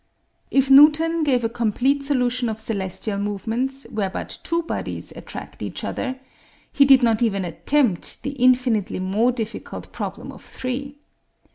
If Newton gave a complete solution of celestial movements where but two bodies attract each other, he did not even attempt the infinitely more difficult problem of three.